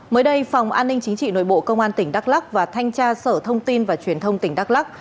mới đây phòng an ninh chính trị nội bộ công an tỉnh đắk lắc và thanh tra sở thông tin và truyền thông tỉnh đắk lắc